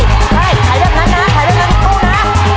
ใช่ไขแบบนั้นนะไขแบบนั้นอีกตู้นะ